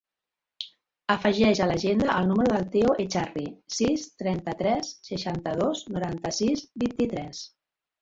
Afegeix a l'agenda el número del Teo Echarri: sis, trenta-tres, seixanta-dos, noranta-sis, vint-i-tres.